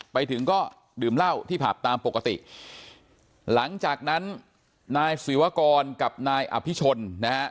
ไปถึงก็ดื่มเหล้าที่ผับตามปกติหลังจากนั้นนายศิวกรกับนายอภิชนนะฮะ